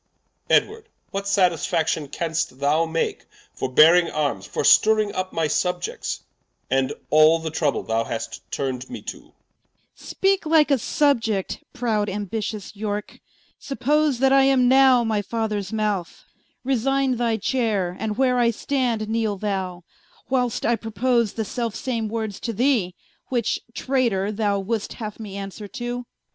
Edward, what satisfaction canst thou make, For bearing Armes, for stirring vp my Subiects, And all the trouble thou hast turn'd me to? Prince. Speake like a Subiect, prowd ambitious Yorke. Suppose that I am now my Fathers Mouth, Resigne thy Chayre, and where I stand, kneele thou, Whil'st I propose the selfe same words to thee, Which (Traytor) thou would'st haue me answer to Qu.